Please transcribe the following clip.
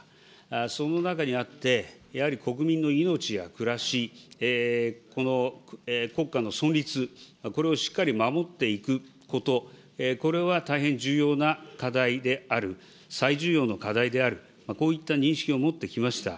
その中にあって、やはり国民の命や暮らし、この国家の存立、これをしっかり守っていくこと、これは大変重要な課題である、最重要の課題である、こういった認識を持ってきました。